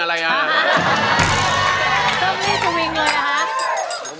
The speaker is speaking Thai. เติ่ลลี่จูวิงเลยอะครับ